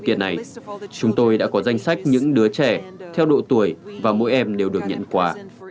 kiệt này chúng tôi đã có danh sách những đứa trẻ theo độ tuổi và mỗi em đều được nhận quà